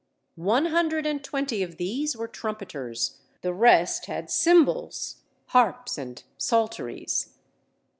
One hundred and twenty of these were trumpeters, the rest had cymbals, harps, and psalteries.